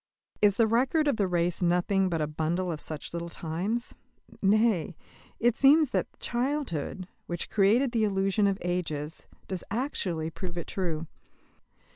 Is the record of the race nothing but a bundle of such little times? Nay, it seems that childhood, which created the illusion of ages, does actually prove it true.